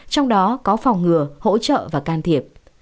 trong đó có phòng ngừa hỗ trợ và can thiệp